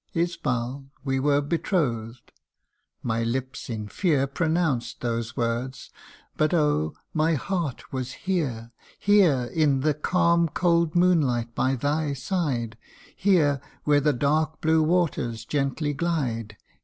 Isbal, we were betrothed ; my lips in fear Pronounced those words but oh ! my heart was here Here in the calm cold moonlight by thy side, Here where the dark blue waters gently glide, THE UNDYING ONE.